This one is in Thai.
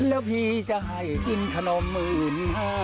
แล้วผีจะให้กินขนมอื่น